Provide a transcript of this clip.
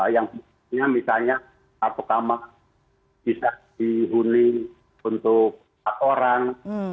yang misalnya pertama bisa dihuni untuk empat orang